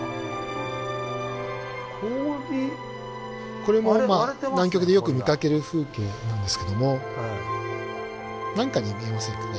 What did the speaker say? これも南極でよく見かける風景なんですけども何かに見えませんかね？